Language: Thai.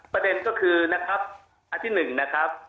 ประเด็นก็คือนะครับอันที่๑นะครับ